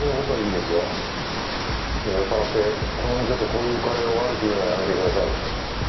でも酔っ払ってこの店とこういうカレーを悪く言うのはやめてください。